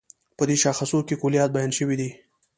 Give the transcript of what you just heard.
په دې شاخصو کې کُليات بیان شوي دي.